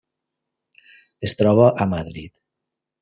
Es troba a Madrid.